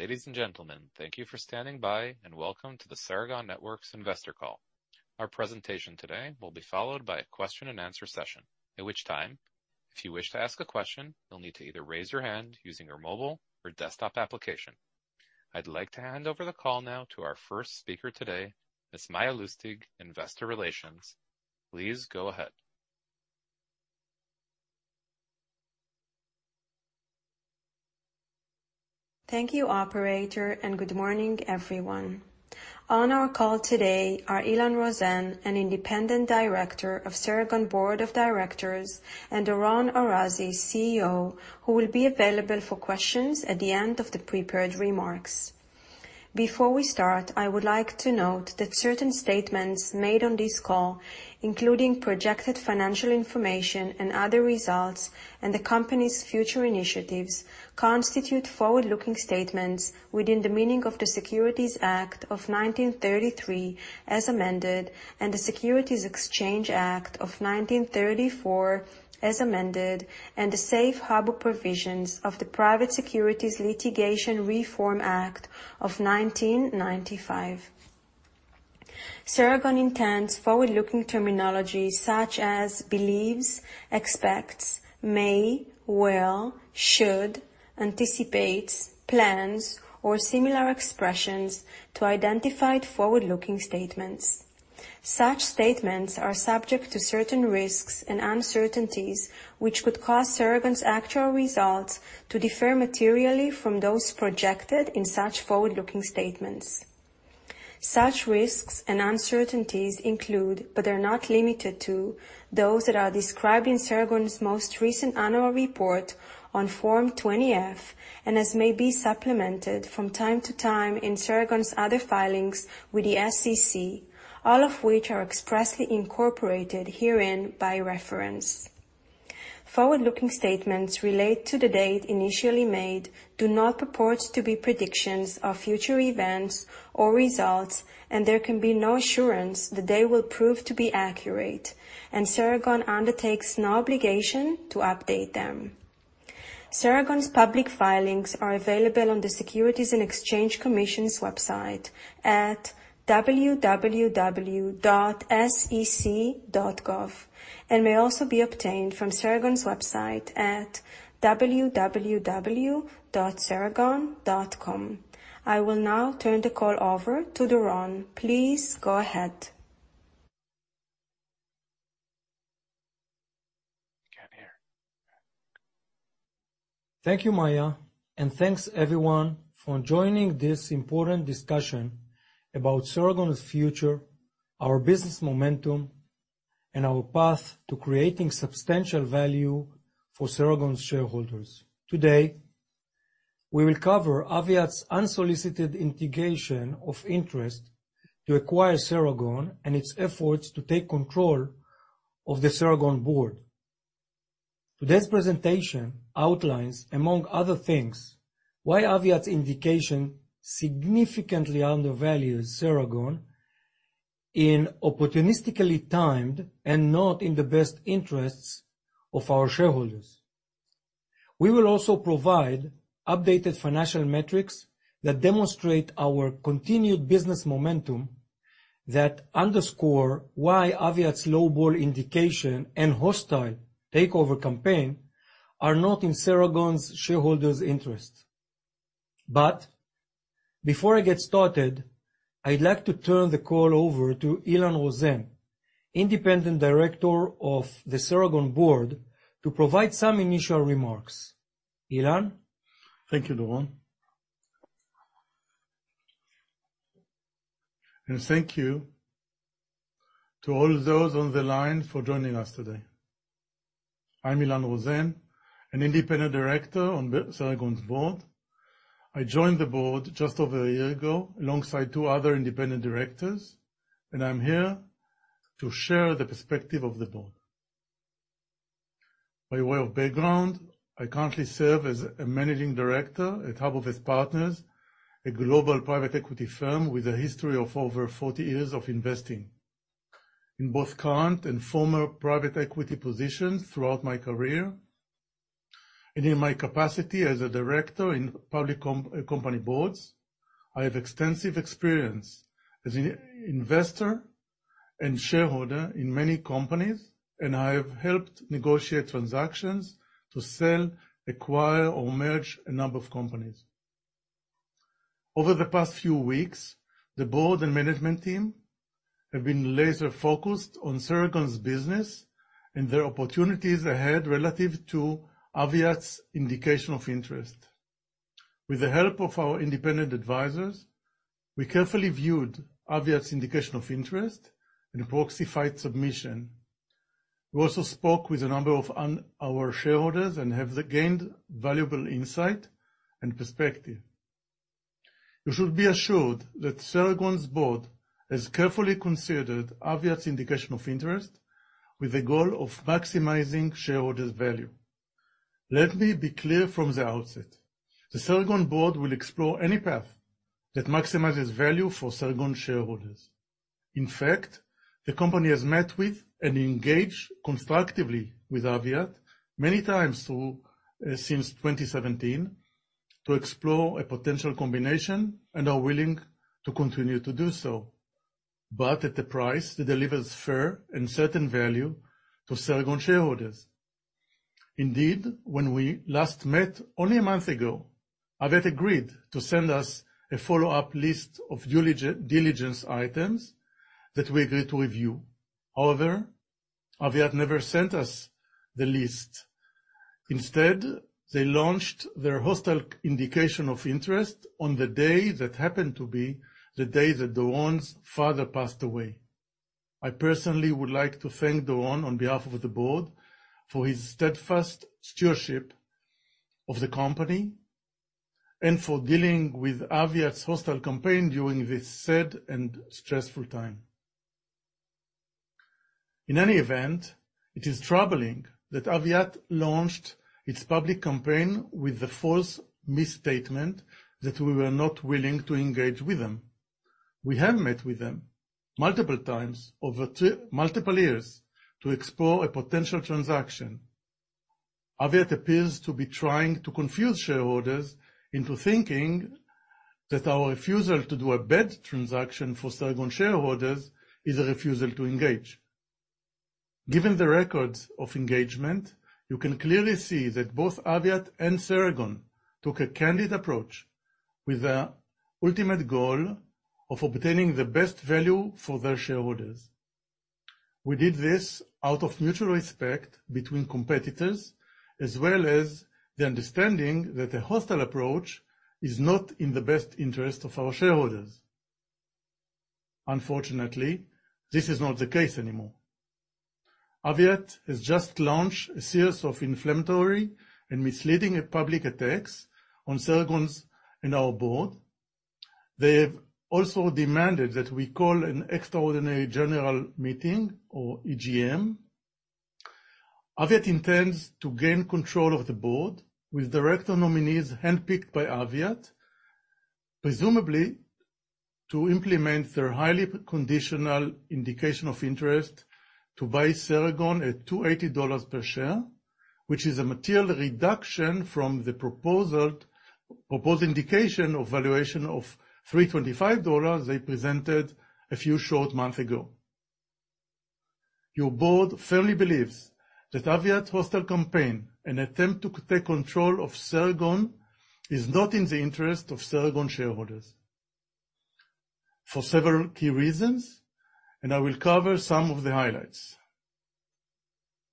Ladies and gentlemen, thank you for standing by, and welcome to the Ceragon Networks investor call. Our presentation today will be followed by a question-and-answer session. At which time, if you wish to ask a question, you'll need to either raise your hand using your mobile or desktop application. I'd like to hand over the call now to our first speaker today, Ms. Maya Lustig, Investor Relations. Please go ahead. Thank you, operator, and good morning, everyone. On our call today are Ilan Rosen, an independent director of Ceragon Board of Directors, and Doron Arazi, CEO, who will be available for questions at the end of the prepared remarks. Before we start, I would like to note that certain statements made on this call, including projected financial information and other results, and the company's future initiatives, constitute forward-looking statements within the meaning of the Securities Act of 1933 as amended, and the Securities Exchange Act of 1934 as amended, and the safe harbor provisions of the Private Securities Litigation Reform Act of 1995. Ceragon intends forward-looking terminology such as believes, expects, may, will, should, anticipates, plans, or similar expressions to identify its forward-looking statements. Such statements are subject to certain risks and uncertainties, which could cause Ceragon's actual results to differ materially from those projected in such forward-looking statements. Such risks and uncertainties include, but are not limited to, those that are described in Ceragon's most recent annual report on Form 20-F and as may be supplemented from time to time in Ceragon's other filings with the SEC, all of which are expressly incorporated herein by reference. Forward-looking statements relate to the date initially made, do not purport to be predictions of future events or results, and there can be no assurance that they will prove to be accurate, and Ceragon undertakes no obligation to update them. Ceragon's public filings are available on the Securities and Exchange Commission's website at www.sec.gov and may also be obtained from Ceragon's website at www.ceragon.com. I will now turn the call over to Doron. Please go ahead. Can't hear. Thank you, Maya, and thanks everyone for joining this important discussion about Ceragon's future, our business momentum, and our path to creating substantial value for Ceragon's shareholders. Today, we will cover Aviat's unsolicited indication of interest to acquire Ceragon and its efforts to take control of the Ceragon board. Today's presentation outlines, among other things, why Aviat's indication significantly undervalues Ceragon, is opportunistically timed and not in the best interests of our shareholders. We will also provide updated financial metrics that demonstrate our continued business momentum that underscore why Aviat's lowball indication and hostile takeover campaign are not in Ceragon's shareholders' interests. Before I get started, I'd like to turn the call over to Ilan Rosen, independent director of the Ceragon board, to provide some initial remarks. Ilan. Thank you, Doron. Thank you to all those on the line for joining us today. I'm Ilan Rosen, an independent director on the Ceragon's board. I joined the board just over a year ago alongside two other independent directors, and I'm here to share the perspective of the board. By way of background, I currently serve as a managing director at Habufes Partners, a global private equity firm with a history of over forty years of investing. In both current and former private equity positions throughout my career, and in my capacity as a director in public company boards, I have extensive experience as an investor and shareholder in many companies, and I have helped negotiate transactions to sell, acquire, or merge a number of companies. Over the past few weeks, the board and management team have been laser-focused on Ceragon's business and their opportunities ahead relative to Aviat's indication of interest. With the help of our independent advisors, we carefully viewed Aviat's indication of interest and proxy submission. We also spoke with a number of our shareholders and have gained valuable insight and perspective. You should be assured that Ceragon's board has carefully considered Aviat's indication of interest with the goal of maximizing shareholders' value. Let me be clear from the outset. The Ceragon board will explore any path that maximizes value for Ceragon shareholders. In fact, the company has met with and engaged constructively with Aviat many times through since 2017 to explore a potential combination and are willing to continue to do so, but at a price that delivers fair and certain value to Ceragon shareholders. Indeed, when we last met only a month ago, Aviat agreed to send us a follow-up list of diligence items that we agreed to review. However, Aviat never sent us the list. Instead, they launched their hostile indication of interest on the day that happened to be the day that Doron's father passed away. I personally would like to thank Doron on behalf of the board for his steadfast stewardship of the company and for dealing with Aviat's hostile campaign during this sad and stressful time. In any event, it is troubling that Aviat launched its public campaign with the false misstatement that we were not willing to engage with them. We have met with them multiple times over the multiple years to explore a potential transaction. Aviat appears to be trying to confuse shareholders into thinking that our refusal to do a bad transaction for Ceragon shareholders is a refusal to engage. Given the records of engagement, you can clearly see that both Aviat and Ceragon took a candid approach with the ultimate goal of obtaining the best value for their shareholders. We did this out of mutual respect between competitors, as well as the understanding that a hostile approach is not in the best interest of our shareholders. Unfortunately, this is not the case anymore. Aviat has just launched a series of inflammatory and misleading public attacks on Ceragon's and our board. They've also demanded that we call an extraordinary general meeting or EGM. Aviat Networks intends to gain control of the board with director nominees handpicked by Aviat Networks, presumably to implement their highly conditional indication of interest to buy Ceragon at $280 per share, which is a material reduction from the proposed indication of valuation of $325 they presented a few short months ago. Your board firmly believes that Aviat Networks's hostile campaign, an attempt to take control of Ceragon, is not in the interest of Ceragon shareholders for several key reasons, and I will cover some of the highlights.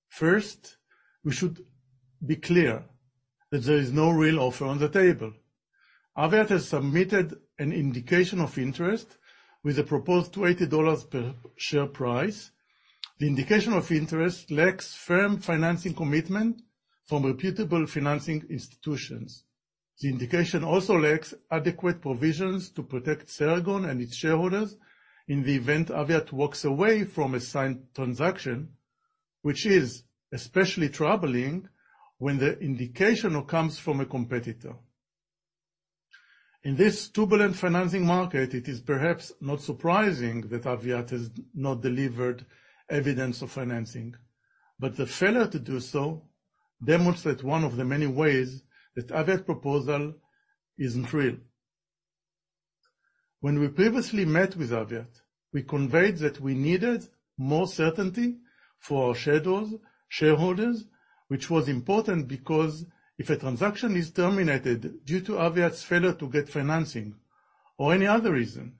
First, we should be clear that there is no real offer on the table. Aviat Networks has submitted an indication of interest with a proposed $280 per share price. The indication of interest lacks firm financing commitment from reputable financing institutions. The indication also lacks adequate provisions to protect Ceragon and its shareholders in the event Aviat walks away from a signed transaction, which is especially troubling when the indication comes from a competitor. In this turbulent financing market, it is perhaps not surprising that Aviat has not delivered evidence of financing, but the failure to do so demonstrates one of the many ways that Aviat's proposal isn't real. When we previously met with Aviat, we conveyed that we needed more certainty for our shareholders, which was important because if a transaction is terminated due to Aviat's failure to get financing or any other reason,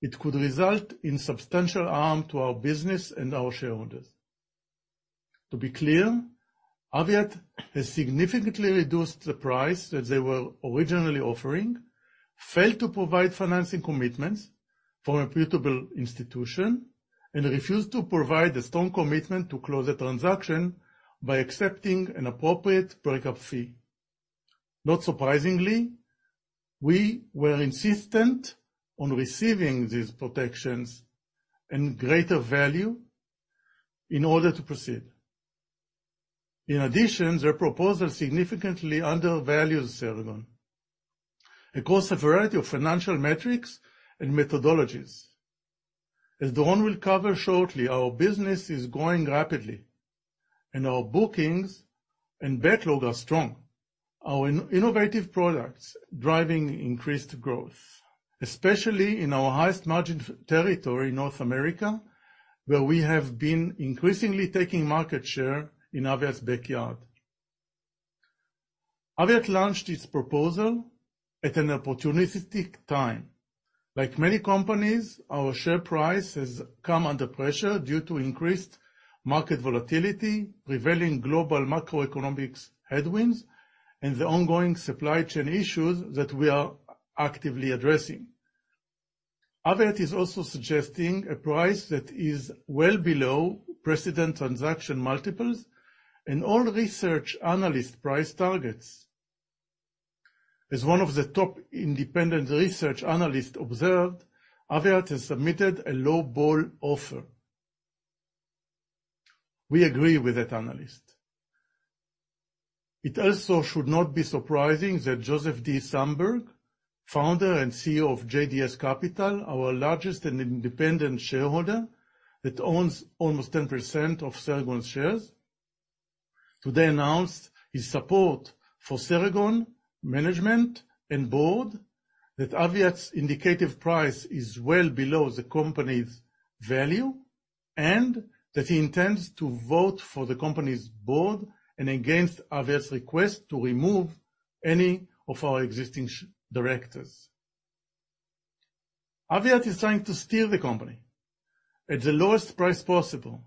it could result in substantial harm to our business and our shareholders. To be clear, Aviat has significantly reduced the price that they were originally offering, failed to provide financing commitments from a reputable institution, and refused to provide a strong commitment to close the transaction by accepting an appropriate breakup fee. Not surprisingly, we were insistent on receiving these protections and greater value in order to proceed. In addition, their proposal significantly undervalues Ceragon across a variety of financial metrics and methodologies. As Doron will cover shortly, our business is growing rapidly, and our bookings and backlog are strong, our innovative products driving increased growth, especially in our highest margin territory, North America, where we have been increasingly taking market share in Aviat's backyard. Aviat launched its proposal at an opportunistic time. Like many companies, our share price has come under pressure due to increased market volatility, prevailing global macroeconomic headwinds, and the ongoing supply chain issues that we are actively addressing. Aviat is also suggesting a price that is well below precedent transaction multiples and all research analyst price targets. As one of the top independent research analysts observed, Aviat has submitted a lowball offer. We agree with that analyst. It also should not be surprising that Joseph D. Samberg, founder and CEO of JDS Capital, our largest and independent shareholder that owns almost 10% of Ceragon shares, today announced his support for Ceragon management and board, that Aviat's indicative price is well below the company's value, and that he intends to vote for the company's board and against Aviat's request to remove any of our existing director.. Aviat is trying to steal the company at the lowest price possible.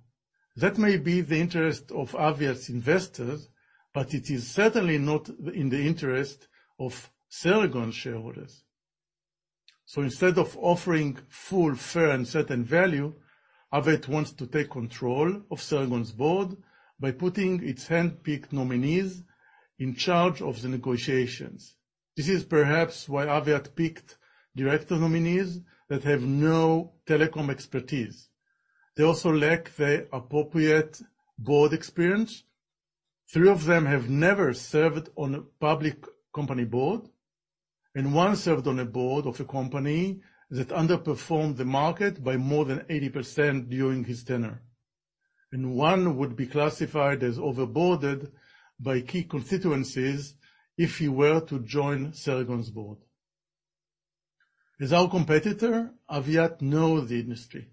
That may be the interest of Aviat's investors, but it is certainly not in the interest of Ceragon shareholders. So instead of offering full, fair, and certain value, Aviat wants to take control of Ceragon's board by putting its handpicked nominees in charge of the negotiations. This is perhaps why Aviat picked director nominees that have no telecom expertise. They also lack the appropriate board experience. Three of them have never served on a public company board, and one served on a board of a company that underperformed the market by more than 80% during his tenure. One would be classified as over-boarded by key constituencies if he were to join Ceragon's board. As our competitor, Aviat know the industry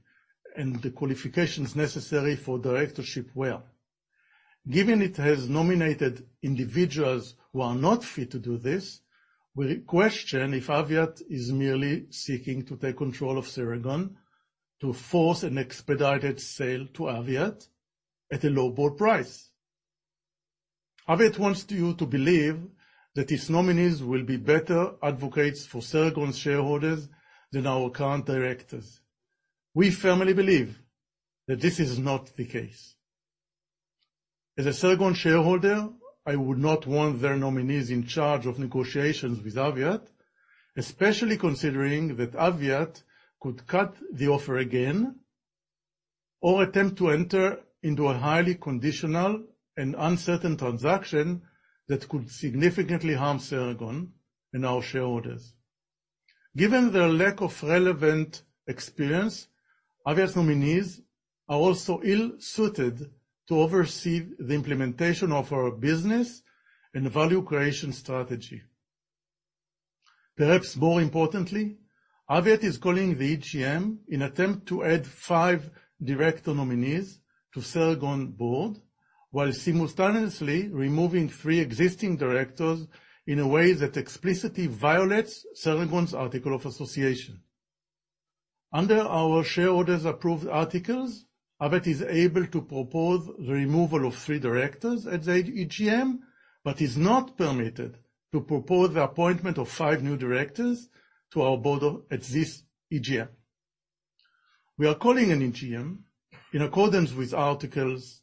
and the qualifications necessary for directorship well. Given it has nominated individuals who are not fit to do this, we question if Aviat is merely seeking to take control of Ceragon to force an expedited sale to Aviat at a lowball price. Aviat wants you to believe that its nominees will be better advocates for Ceragon's shareholders than our current directors. We firmly believe that this is not the case. As a Ceragon shareholder, I would not want their nominees in charge of negotiations with Aviat, especially considering that Aviat could cut the offer again or attempt to enter into a highly conditional and uncertain transaction that could significantly harm Ceragon and our shareholders. Given their lack of relevant experience, Aviat's nominees are also ill-suited to oversee the implementation of our business and value creation strategy. Perhaps more importantly, Aviat is calling the EGM in attempt to add five director nominees to Ceragon board, while simultaneously removing three existing directors in a way that explicitly violates Ceragon's articles of association. Under our shareholders approved articles, Aviat is able to propose the removal of three directors at the EGM, but is not permitted to propose the appointment of five new directors to our board at this EGM. We are calling an EGM in accordance with articles,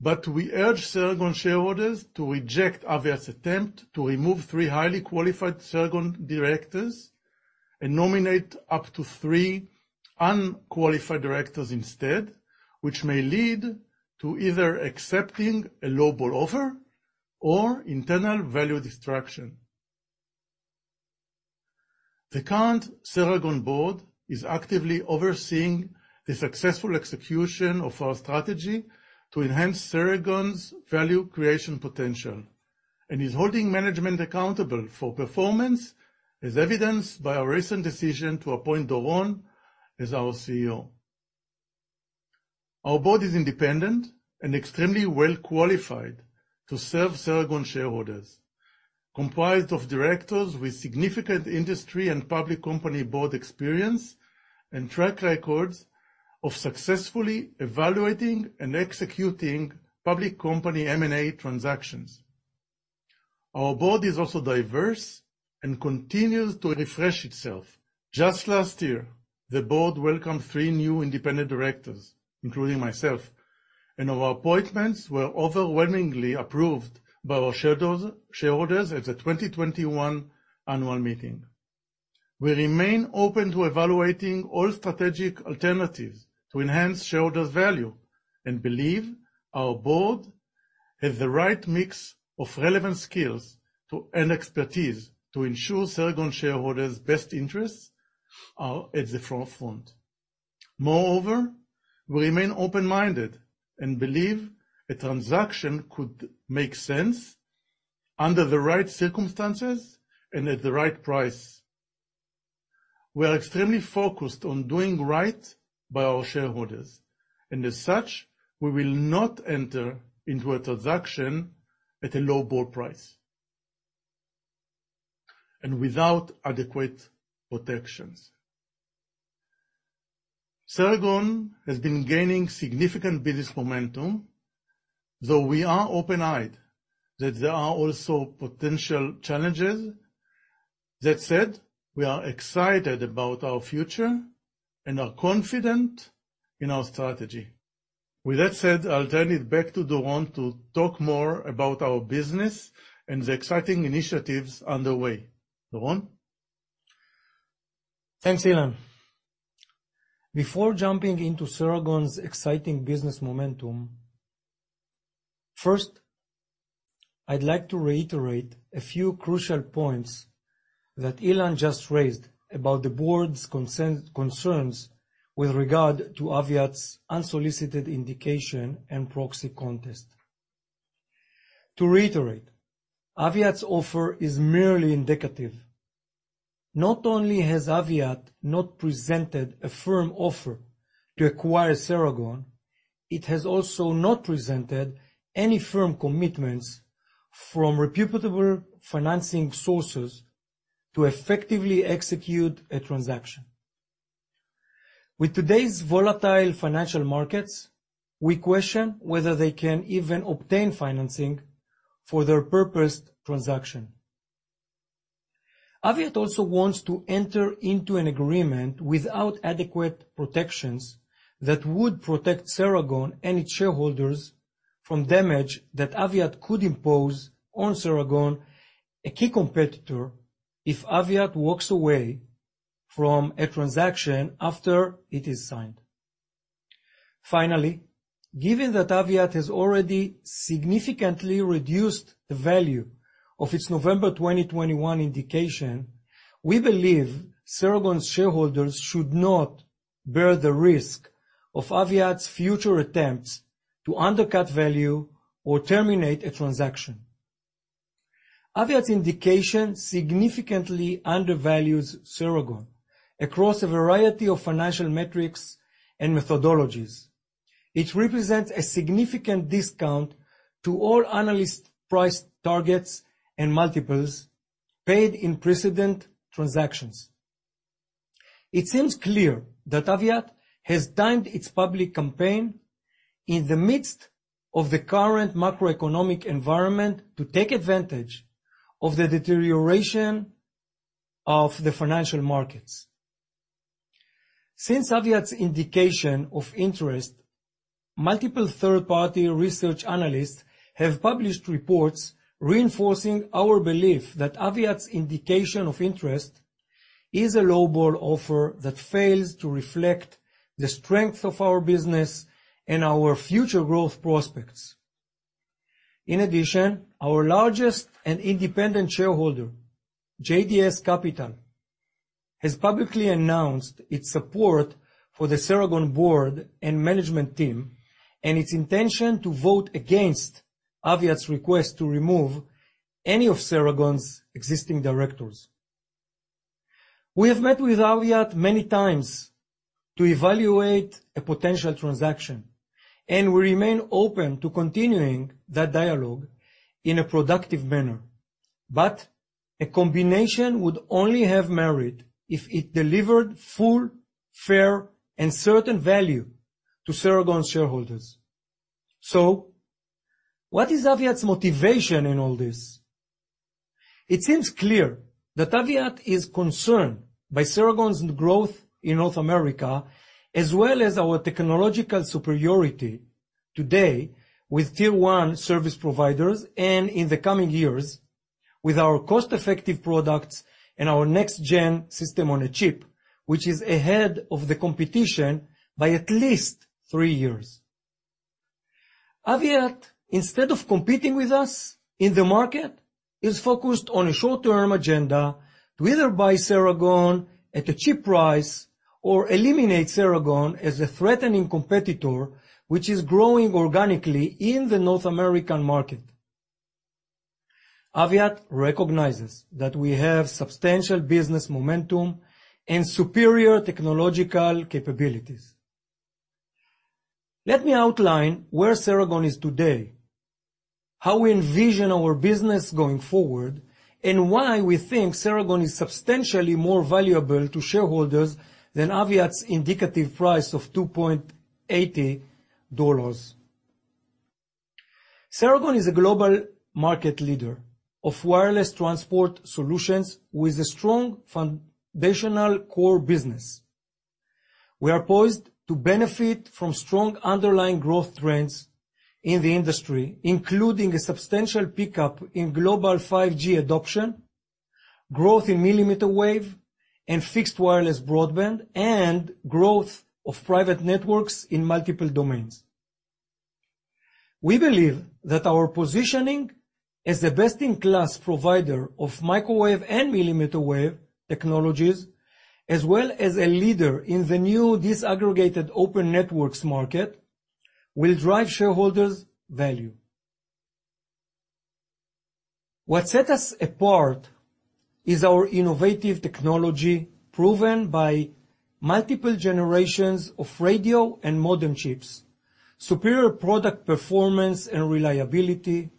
but we urge Ceragon shareholders to reject Aviat's attempt to remove three highly qualified Ceragon directors and nominate up to three unqualified directors instead, which may lead to either accepting a lowball offer or internal value destruction. The current Ceragon board is actively overseeing the successful execution of our strategy to enhance Ceragon's value creation potential and is holding management accountable for performance, as evidenced by our recent decision to appoint Doron as our CEO. Our board is independent and extremely well qualified to serve Ceragon shareholders, comprised of directors with significant industry and public company board experience and track records of successfully evaluating and executing public company M&A transactions. Our board is also diverse and continues to refresh itself. Just last year, the board welcomed three new independent directors, including myself, and our appointments were overwhelmingly approved by our shareholders at the 2021 annual meeting. We remain open to evaluating all strategic alternatives to enhance shareholder value and believe our board has the right mix of relevant skills to and expertise to ensure Ceragon shareholders' best interests are at the forefront. Moreover, we remain open-minded and believe a transaction could make sense under the right circumstances and at the right price. We are extremely focused on doing right by our shareholders, and as such, we will not enter into a transaction at a lowball price and without adequate protections. Ceragon has been gaining significant business momentum, though we are open-eyed that there are also potential challenges. That said, we are excited about our future and are confident in our strategy. With that said, I'll turn it back to Doron to talk more about our business and the exciting initiatives underway. Doron? Thanks, Ilan. Before jumping into Ceragon's exciting business momentum, first, I'd like to reiterate a few crucial points that Ilan just raised about the board's concerns with regard to Aviat's unsolicited indication and proxy contest. To reiterate, Aviat's offer is merely indicative. Not only has Aviat not presented a firm offer to acquire Ceragon, it has also not presented any firm commitments from reputable financing sources to effectively execute a transaction. With today's volatile financial markets, we question whether they can even obtain financing for their proposed transaction. Aviat also wants to enter into an agreement without adequate protections that would protect Ceragon and its shareholders from damage that Aviat could impose on Ceragon, a key competitor, if Aviat walks away from a transaction after it is signed. Finally, given that Aviat has already significantly reduced the value of its November 2021 indication, we believe Ceragon's shareholders should not bear the risk of Aviat's future attempts to undercut value or terminate a transaction. Aviat's indication significantly undervalues Ceragon across a variety of financial metrics and methodologies, which represents a significant discount to all analyst price targets and multiples paid in precedent transactions. It seems clear that Aviat has timed its public campaign in the midst of the current macroeconomic environment to take advantage of the deterioration of the financial markets. Since Aviat's indication of interest, multiple third-party research analysts have published reports reinforcing our belief that Aviat's indication of interest is a lowball offer that fails to reflect the strength of our business and our future growth prospects. In addition, our largest independent shareholder, JDS Capital, has publicly announced its support for the Ceragon board and management team and its intention to vote against Aviat's request to remove any of Ceragon's existing directors. We have met with Aviat many times to evaluate a potential transaction, and we remain open to continuing that dialogue in a productive manner. A combination would only have merit if it delivered full, fair, and certain value to Ceragon shareholders. What is Aviat's motivation in all this? It seems clear that Aviat is concerned by Ceragon's growth in North America, as well as our technological superiority today with tier one service providers and in the coming years with our cost-effective products and our next-gen System on a Chip, which is ahead of the competition by at least three years. Aviat, instead of competing with us in the market, is focused on a short-term agenda to either buy Ceragon at a cheap price or eliminate Ceragon as a threatening competitor, which is growing organically in the North American market. Aviat recognizes that we have substantial business momentum and superior technological capabilities. Let me outline where Ceragon is today, how we envision our business going forward, and why we think Ceragon is substantially more valuable to shareholders than Aviat's indicative price of $2.80. Ceragon is a global market leader of wireless transport solutions with a strong foundational core business. We are poised to benefit from strong underlying growth trends in the industry, including a substantial pickup in global 5G adoption, growth in millimeter wave and fixed wireless broadband, and growth of private networks in multiple domains. We believe that our positioning as the best-in-class provider of microwave and millimeter wave technologies, as well as a leader in the new disaggregated open networks market, will drive shareholders value. What sets us apart is our innovative technology proven by multiple generations of radio and modem chips, superior product performance and reliability,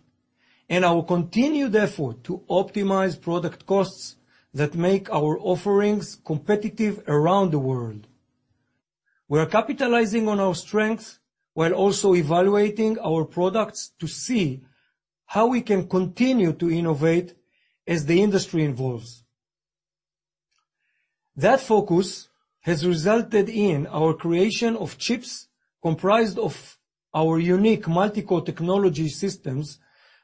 and our continued effort to optimize product costs that make our offerings competitive around the world. We are capitalizing on our strengths while also evaluating our products to see how we can continue to innovate as the industry evolves. That focus has resulted in our creation of chips comprised of our unique multi-core technology systems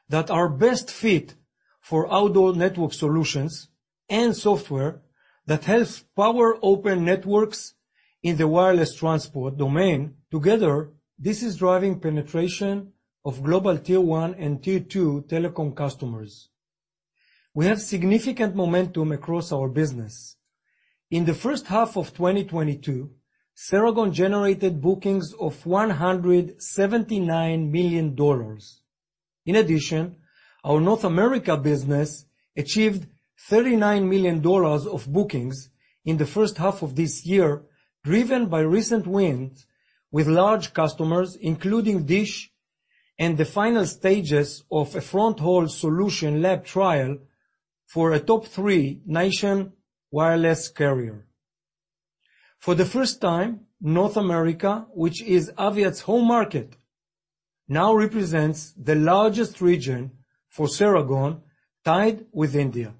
that are best fit for outdoor network solutions and software that helps power open networks in the wireless transport domain. Together, this is driving penetration of global tier one and tier two telecom customers. We have significant momentum across our business. In the first half of 2022, Ceragon generated bookings of $179 million. In addition, our North America business achieved $39 million of bookings in the first half of this year, driven by recent wins with large customers, including DISH and the final stages of a fronthaul solution lab trial for a top three national wireless carrier. For the first time, North America, which is Aviat's home market, now represents the largest region for Ceragon, tied with India.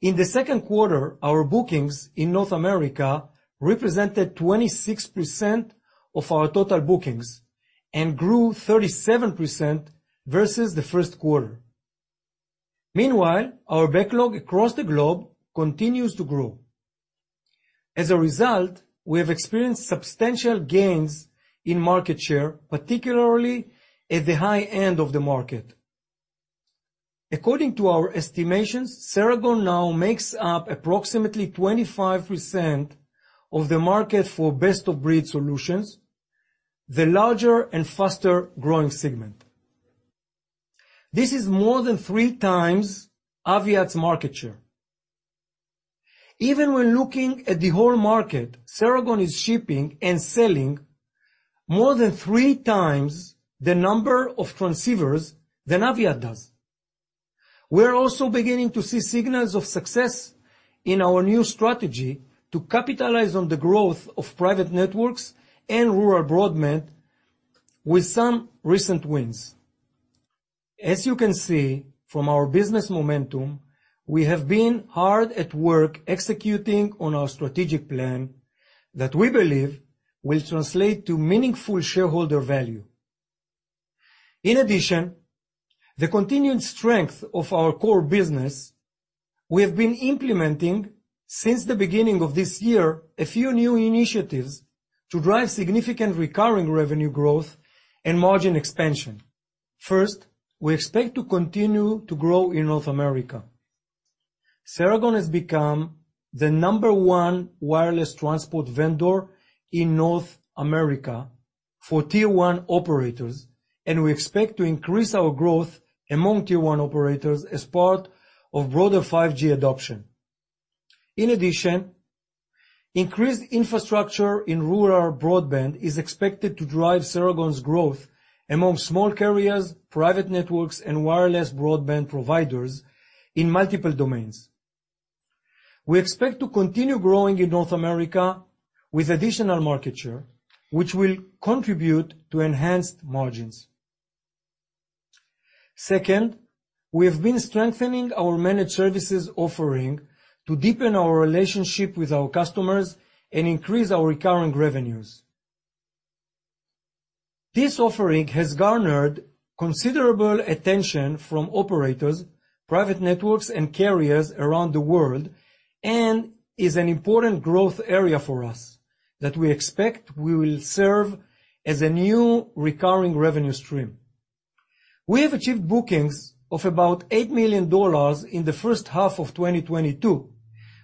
In the second quarter, our bookings in North America represented 26% of our total bookings and grew 37% versus the first quarter. Meanwhile, our backlog across the globe continues to grow. As a result, we have experienced substantial gains in market share, particularly at the high end of the market. According to our estimations, Ceragon now makes up approximately 25% of the market for best of breed solutions, the larger and faster growing segment. This is more than three times Aviat's market share. Even when looking at the whole market, Ceragon is shipping and selling more than three times the number of transceivers than Aviat does. We're also beginning to see signals of success in our new strategy to capitalize on the growth of private networks and rural broadband with some recent wins. As you can see from our business momentum, we have been hard at work executing on our strategic plan that we believe will translate to meaningful shareholder value. In addition to the continued strength of our core business, we have been implementing since the beginning of this year a few new initiatives to drive significant recurring revenue growth and margin expansion. First, we expect to continue to grow in North America. Ceragon has become the number one wireless transport vendor in North America for tier one operators, and we expect to increase our growth among tier one operators as part of broader 5G adoption. In addition, increased infrastructure in rural broadband is expected to drive Ceragon's growth among small carriers, private networks, and wireless broadband providers in multiple domains. We expect to continue growing in North America with additional market share, which will contribute to enhanced margins. Second, we have been strengthening our managed services offering to deepen our relationship with our customers and increase our recurring revenues. This offering has garnered considerable attention from operators, private networks, and carriers around the world, and is an important growth area for us that we expect we will serve as a new recurring revenue stream. We have achieved bookings of about $8 million in the first half of 2022,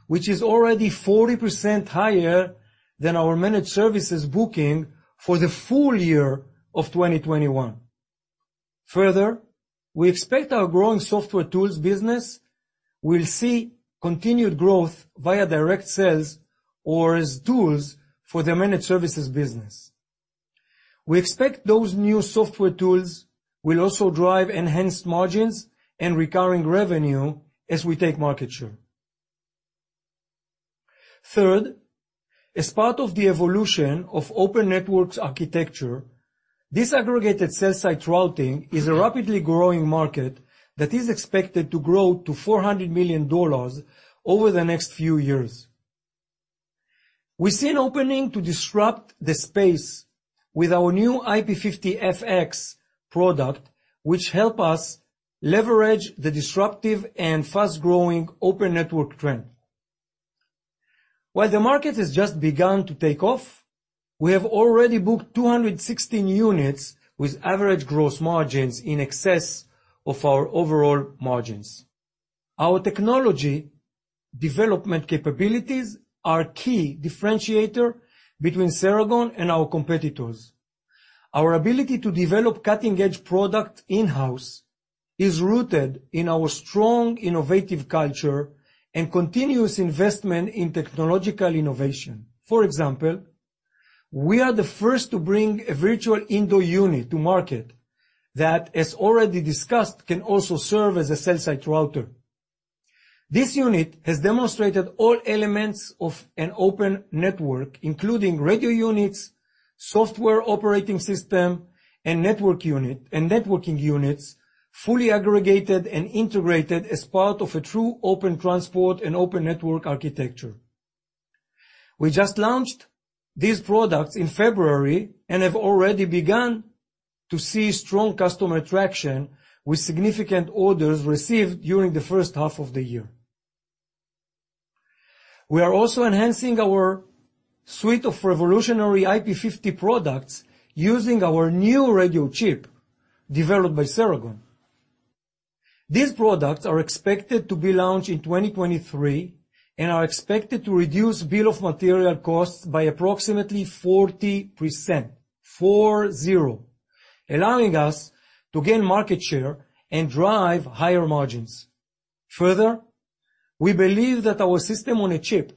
which is already 40% higher than our managed services booking for the full year of 2021. Further, we expect our growing software tools business will see continued growth via direct sales or as tools for the managed services business. We expect those new software tools will also drive enhanced margins and recurring revenue as we take market share. Third, as part of the evolution of Open Networks architecture, disaggregated cell site routing is a rapidly growing market that is expected to grow to $400 million over the next few years. We see an opening to disrupt the space with our new IP-50FX product, which help us leverage the disruptive and fast-growing Open Network trend. While the market has just begun to take off, we have already booked 216 units with average gross margins in excess of our overall margins. Our technology development capabilities are a key differentiator between Ceragon and our competitors. Our ability to develop cutting-edge product in-house is rooted in our strong, innovative culture and continuous investment in technological innovation. For example, we are the first to bring a virtual indoor unit to market that, as already discussed, can also serve as a cell site router. This unit has demonstrated all elements of an Open Networks, including radio units, software operating system and network unit, and networking units fully aggregated and integrated as part of a true open transport and Open Networks architecture. We just launched these products in February and have already begun to see strong customer traction with significant orders received during the first half of the year. We are also enhancing our suite of revolutionary IP-50 products using our new radio chip developed by Ceragon. These products are expected to be launched in 2023 and are expected to reduce bill of materials costs by approximately 40%, 40, allowing us to gain market share and drive higher margins. Further, we believe that our system on a chip,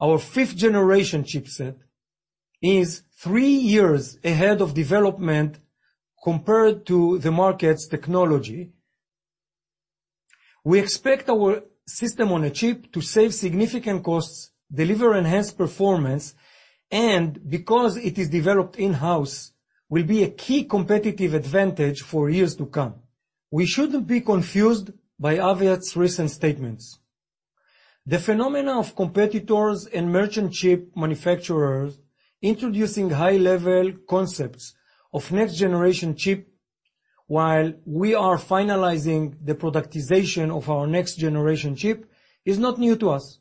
our fifth-generation chipset, is three years ahead of development compared to the market's technology. We expect our system on a chip to save significant costs, deliver enhanced performance, and because it is developed in-house, will be a key competitive advantage for years to come. We shouldn't be confused by Aviat Networks' recent statements. The phenomena of competitors and merchant chip manufacturers introducing high-level concepts of next-generation chip while we are finalizing the productization of our next-generation chip is not new to us.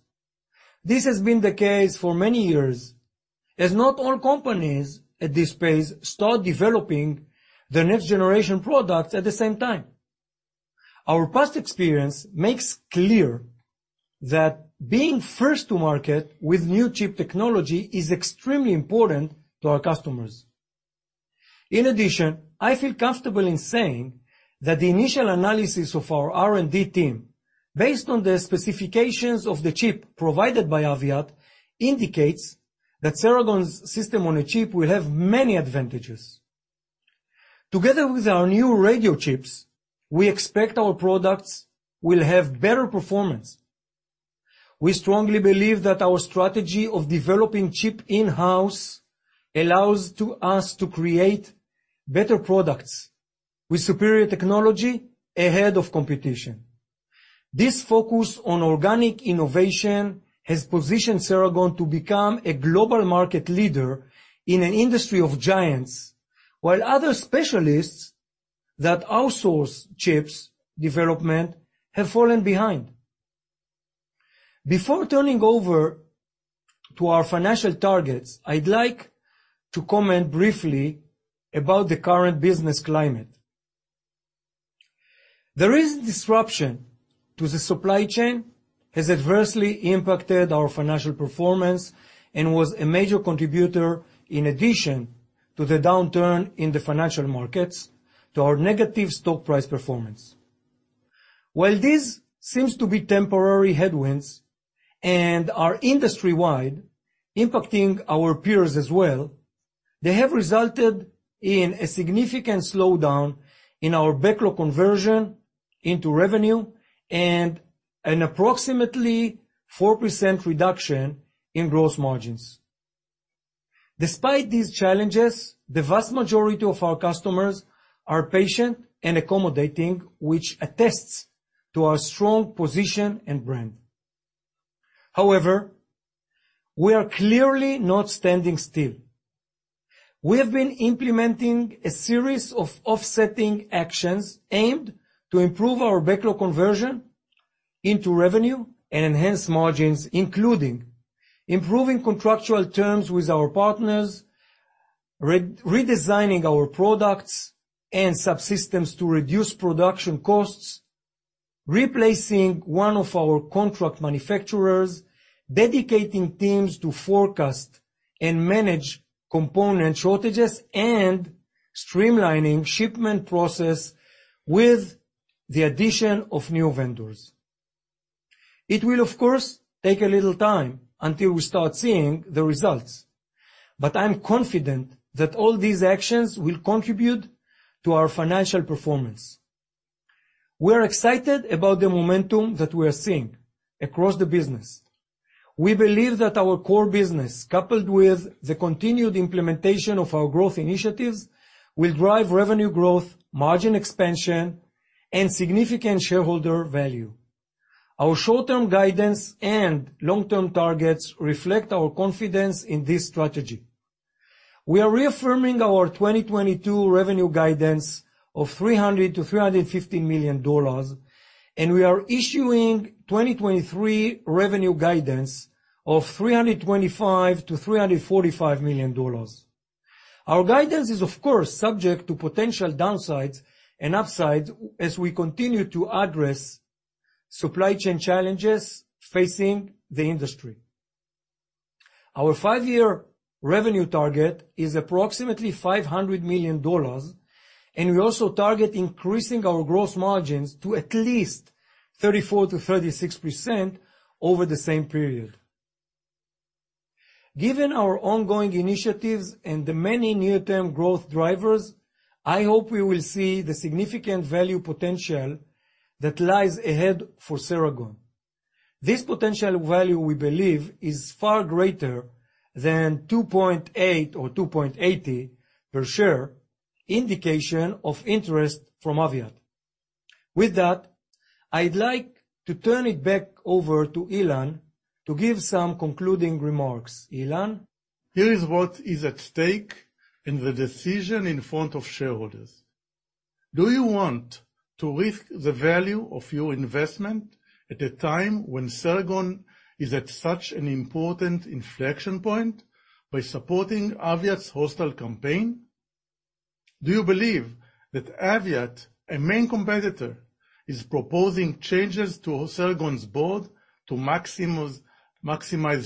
This has been the case for many years, as not all companies at this phase start developing the next generation products at the same time. Our past experience makes clear that being first to market with new chip technology is extremely important to our customers. In addition, I feel comfortable in saying that the initial analysis of our R&D team, based on the specifications of the chip provided by Aviat, indicates that Ceragon's System on a Chip will have many advantages. Together with our new radio chips, we expect our products will have better performance. We strongly believe that our strategy of developing chip in-house allows to us to create better products with superior technology ahead of competition. This focus on organic innovation has positioned Ceragon to become a global market leader in an industry of giants, while other specialists that outsource chips development have fallen behind. Before turning over to our financial targets, I'd like to comment briefly about the current business climate. The recent disruption to the supply chain has adversely impacted our financial performance and was a major contributor, in addition to the downturn in the financial markets, to our negative stock price performance. While this seems to be temporary headwinds and are industry-wide impacting our peers as well, they have resulted in a significant slowdown in our backlog conversion into revenue and an approximately 4% reduction in gross margins. Despite these challenges, the vast majority of our customers are patient and accommodating, which attests to our strong position and brand. However, we are clearly not standing still. We have been implementing a series of offsetting actions aimed to improve our backlog conversion into revenue and enhance margins, including improving contractual terms with our partners, re-redesigning our products and subsystems to reduce production costs, replacing one of our contract manufacturers, dedicating teams to forecast and manage component shortages, and streamlining shipment process with the addition of new vendors. It will, of course, take a little time until we start seeing the results, but I'm confident that all these actions will contribute to our financial performance. We're excited about the momentum that we are seeing across the business. We believe that our core business, coupled with the continued implementation of our growth initiatives, will drive revenue growth, margin expansion, and significant shareholder value. Our short-term guidance and long-term targets reflect our confidence in this strategy. We are reaffirming our 2022 revenue guidance of $300 million-$350 million, and we are issuing 2023 revenue guidance of $325 million-$345 million. Our guidance is, of course, subject to potential downsides and upsides as we continue to address supply chain challenges facing the industry. Our 5-year revenue target is approximately $500 million, and we also target increasing our gross margins to at least 34%-36% over the same period. Given our ongoing initiatives and the many near-term growth drivers, I hope we will see the significant value potential that lies ahead for Ceragon. This potential value, we believe, is far greater than $2.80 per share indication of interest from Aviat. With that, I'd like to turn it back over to Ilan to give some concluding remarks. Ilan? Here is what is at stake in the decision in front of shareholders. Do you want to risk the value of your investment at a time when Ceragon is at such an important inflection point by supporting Aviat's hostile campaign? Do you believe that Aviat, a main competitor, is proposing changes to Ceragon's board to maximize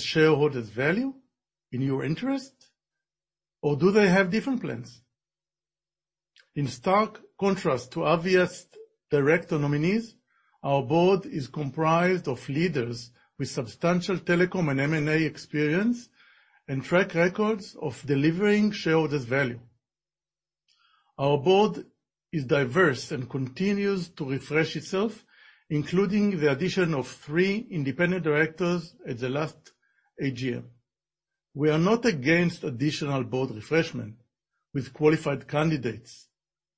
shareholders' value in your interest? Or do they have different plans? In stark contrast to Aviat's director nominees, our board is comprised of leaders with substantial telecom and M&A experience and track records of delivering shareholders' value. Our board is diverse and continues to refresh itself, including the addition of three independent directors at the last AGM. We are not against additional board refreshment with qualified candidates.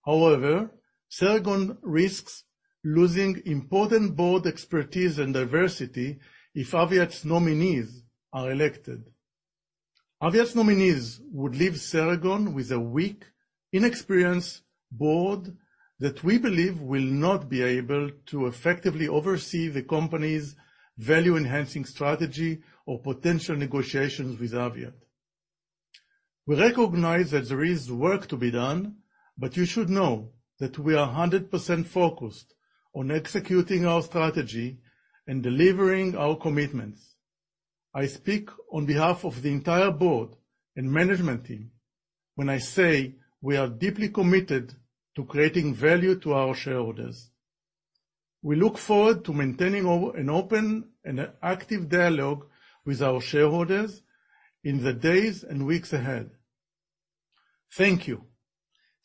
However, Ceragon risks losing important board expertise and diversity if Aviat's nominees are elected. Aviat's nominees would leave Ceragon with a weak, inexperienced board that we believe will not be able to effectively oversee the company's value-enhancing strategy or potential negotiations with Aviat. We recognize that there is work to be done, but you should know that we are 100% focused on executing our strategy and delivering our commitments. I speak on behalf of the entire board and management team when I say we are deeply committed to creating value to our shareholders. We look forward to maintaining an open and active dialogue with our shareholders in the days and weeks ahead. Thank you.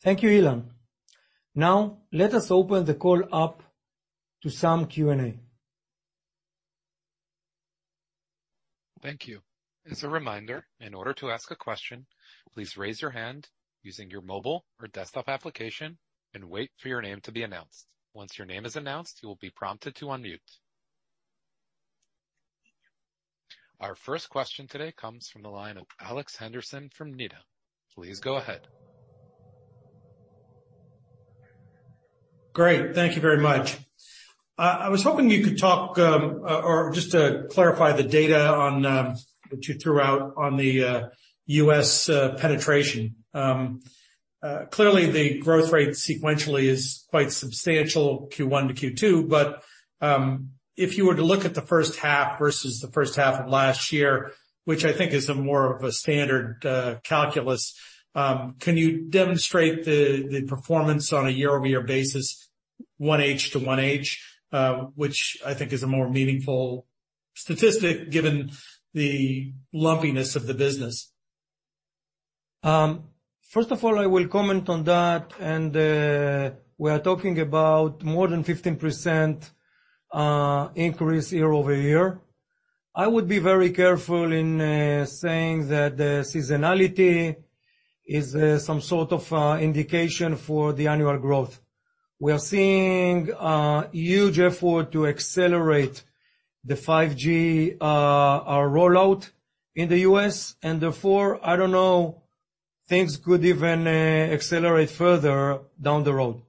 Thank you, Ilan. Now, let us open the call up to some Q&A. Thank you. As a reminder, in order to ask a question, please raise your hand using your mobile or desktop application and wait for your name to be announced. Once your name is announced, you will be prompted to unmute. Our first question today comes from the line of Alex Henderson from Needham. Please go ahead. Great. Thank you very much. I was hoping you could talk, or just to clarify the data on, that you threw out on the, U.S., penetration. Clearly the growth rate sequentially is quite substantial, Q1 to Q2. If you were to look at the first half versus the first half of last year, which I think is more of a standard calculus, can you demonstrate the performance on a year-over-year basis, 1H to 1H, which I think is a more meaningful statistic given the lumpiness of the business? First of all, I will comment on that, and we are talking about more than 15% increase year-over-year. I would be very careful in saying that the seasonality is some sort of indication for the annual growth. We are seeing a huge effort to accelerate the 5G rollout in the U.S., and therefore, I don't know, things could even accelerate further down the road.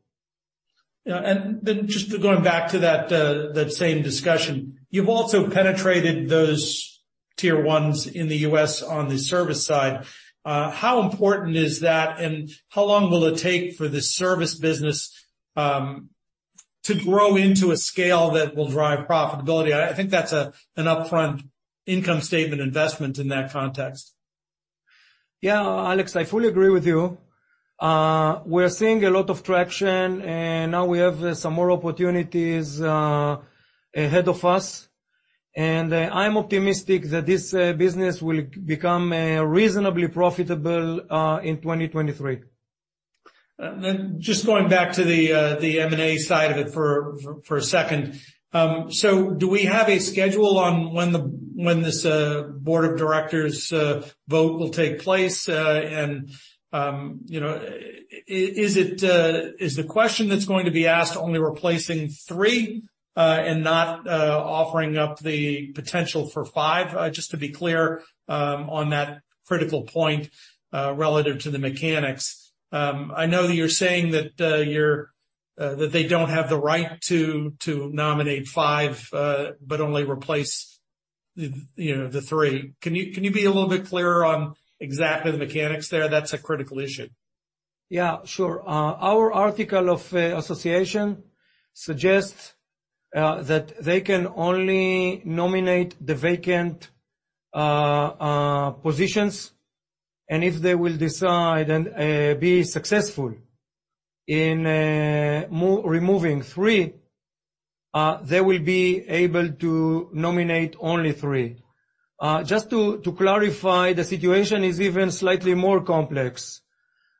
Yeah. Just going back to that same discussion, you've also penetrated those Tier 1s in the US on the service side. How important is that, and how long will it take for the service business to grow into a scale that will drive profitability? I think that's an upfront income statement investment in that context. Yeah, Alex, I fully agree with you. We're seeing a lot of traction, and now we have some more opportunities ahead of us, and I'm optimistic that this business will become reasonably profitable in 2023. Just going back to the M&A side of it for a second. Do we have a schedule on when this board of directors' vote will take place? You know, is it, is the question that's going to be asked only replacing three, and not offering up the potential for five? Just to be clear, on that critical point, relative to the mechanics. I know you're saying that they don't have the right to nominate five, but only replace, you know, the three. Can you be a little bit clearer on exactly the mechanics there? That's a critical issue. Yeah, sure. Our articles of association suggests that they can only nominate the vacant positions, and if they will decide and be successful in removing three, they will be able to nominate only three. Just to clarify, the situation is even slightly more complex.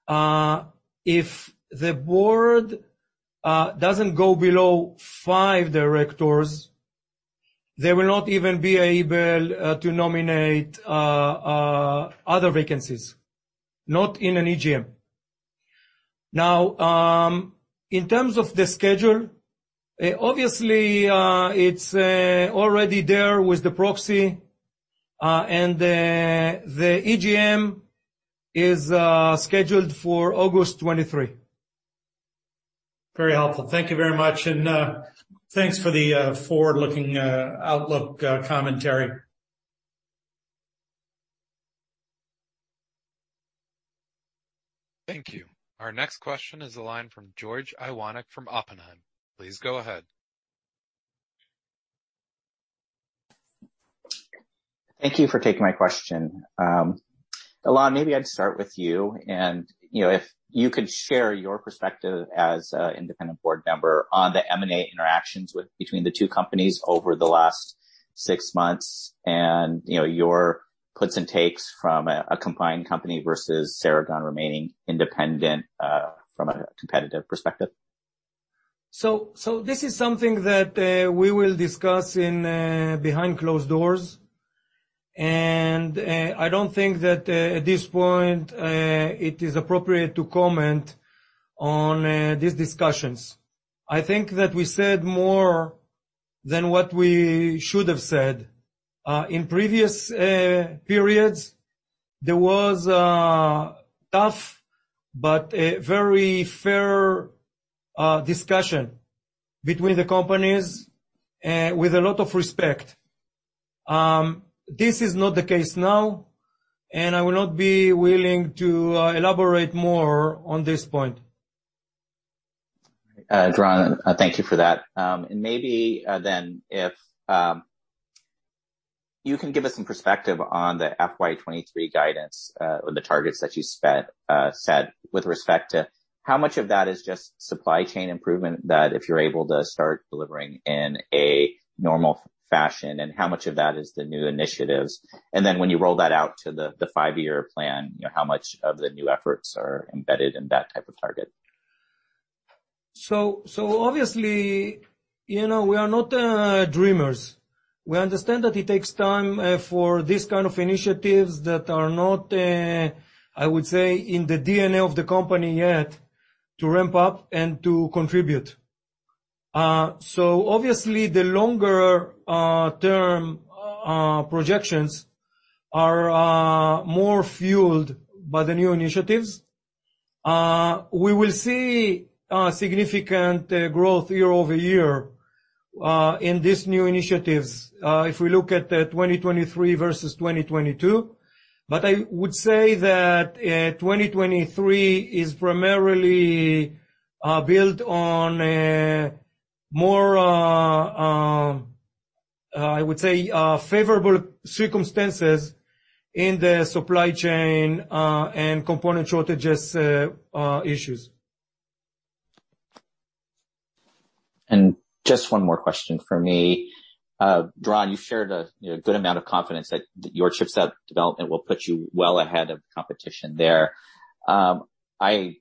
If the board doesn't go below five directors, they will not even be able to nominate other vacancies, not in an EGM. Now, in terms of the schedule, obviously, it's already there with the proxy, and the EGM is scheduled for August 23. Very helpful. Thank you very much. Thanks for the forward-looking outlook commentary. Thank you. Our next question is the line from George Iwanyc from Oppenheimer. Please go ahead. Thank you for taking my question. Ilan, maybe I'd start with you and, you know, if you could share your perspective as independent board member on the M&A interactions between the two companies over the last six months and, you know, your puts and takes from a combined company versus Ceragon remaining independent from a competitive perspective. This is something that we will discuss in behind closed doors. I don't think that at this point it is appropriate to comment on these discussions. I think that we said more than what we should have said. In previous periods, there was a tough but a very fair discussion between the companies with a lot of respect. This is not the case now, and I will not be willing to elaborate more on this point. All right. Doron, thank you for that. Maybe then if you can give us some perspective on the FY 2023 guidance, or the targets that you set with respect to how much of that is just supply chain improvement, that if you're able to start delivering in a normal fashion, and how much of that is the new initiatives. When you roll that out to the five-year plan, you know, how much of the new efforts are embedded in that type of target? Obviously, you know, we are not dreamers. We understand that it takes time for these kind of initiatives that are not, I would say, in the DNA of the company yet to ramp up and to contribute. Obviously the longer term projections are more fueled by the new initiatives. We will see significant growth year-over-year in these new initiatives if we look at 2023 versus 2022. I would say that 2023 is primarily built on a more I would say favorable circumstances in the supply chain and component shortages issues. Just one more question from me. Doron, you shared a you know good amount of confidence that your chipset development will put you well ahead of competition there. I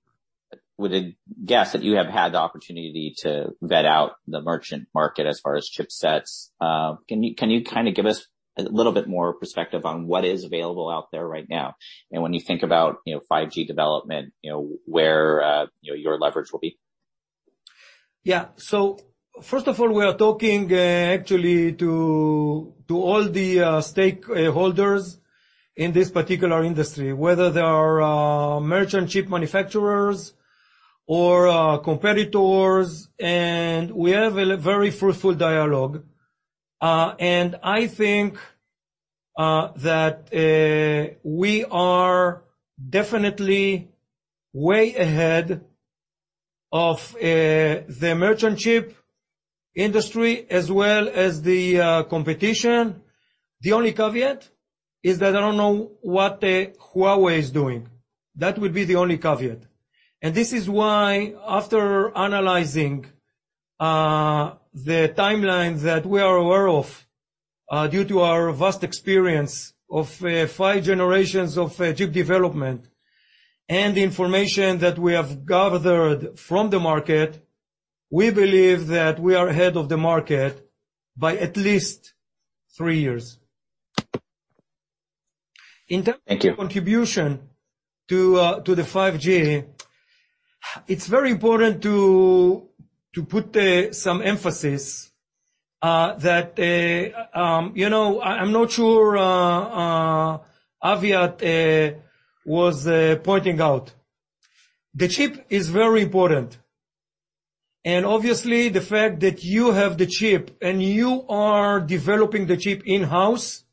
would guess that you have had the opportunity to vet out the merchant market as far as chipsets. Can you kinda give us a little bit more perspective on what is available out there right now? When you think about you know 5G development you know where your leverage will be? Yeah. First of all, we are talking, actually to all the stakeholders in this particular industry, whether they are merchant chip manufacturers or competitors, and we have a very fruitful dialogue. I think that we are definitely way ahead of the merchant chip industry as well as the competition. The only caveat is that I don't know what Huawei is doing. That would be the only caveat. This is why, after analyzing the timelines that we are aware of, due to our vast experience of five generations of chip development and the information that we have gathered from the market, we believe that we are ahead of the market by at least three years. Thank you. In terms of contribution to the 5G, it's very important to put some emphasis that you know, I'm not sure Aviat was pointing out. The chip is very important. Obviously, the fact that you have the chip and you are developing the chip in-house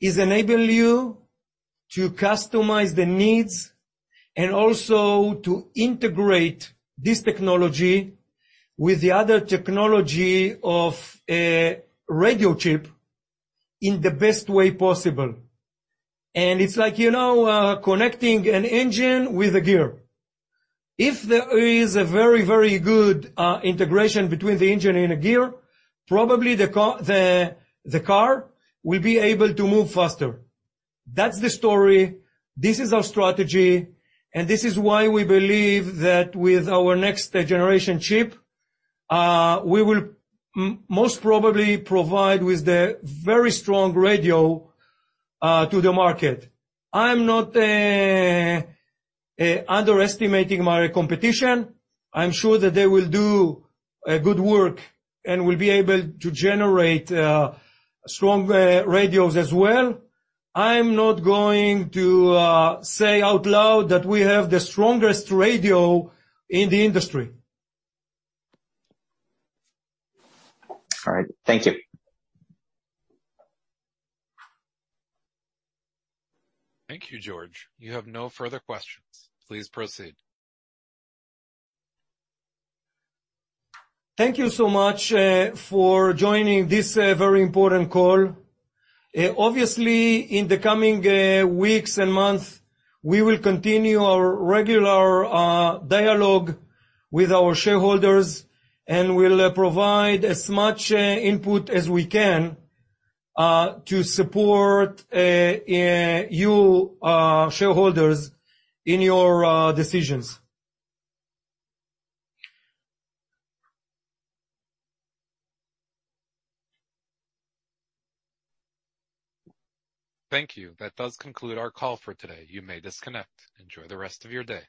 is enable you to customize the needs and also to integrate this technology with the other technology of a radio chip in the best way possible. It's like, you know, connecting an engine with a gear. If there is a very, very good integration between the engine and a gear, probably the car will be able to move faster. That's the story. This is our strategy, and this is why we believe that with our next generation chip, we will most probably provide with the very strong radio to the market. I'm not underestimating my competition. I'm sure that they will do good work and will be able to generate strong radios as well. I'm not going to say out loud that we have the strongest radio in the industry. All right. Thank you. Thank you, George. You have no further questions. Please proceed. Thank you so much for joining this very important call. Obviously, in the coming weeks and months, we will continue our regular dialogue with our shareholders, and we'll provide as much input as we can to support you shareholders in your decisions. Thank you. That does conclude our call for today. You may disconnect. Enjoy the rest of your day.